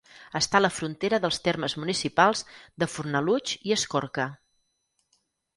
Està a la frontera dels termes municipals de Fornalutx i Escorca.